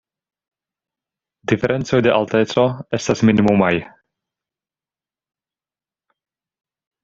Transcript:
Diferencoj de alteco estas minimumaj.